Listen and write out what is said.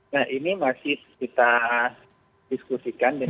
nah ini masih kita diskusikan